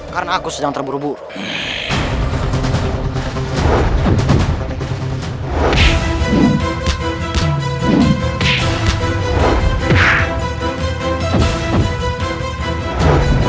karena aku sedang terburu buru